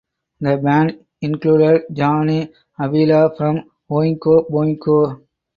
The band included Johnny Avila from Oingo Boingo.